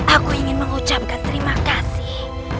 aku ingin mengucapkan terima kasih